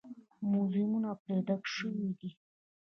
موزیمونه پرې ډک شوي دي.